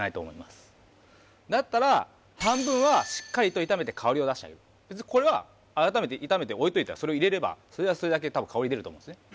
だったら半分はしっかりと炒めて香りを出してあげるこれは改めて炒めて置いといたらそれを入れればそれはそれだけで多分香り出ると思うんですね